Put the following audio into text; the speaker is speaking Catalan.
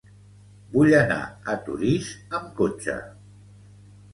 Vull anar a Torís amb cotxe.